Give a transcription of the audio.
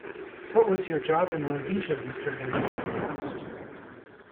“What was your job in Rhodesia, Mr Hannay?” he asked.